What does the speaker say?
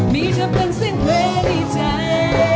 มีเธอเป็นเสียงเวรี่ใจ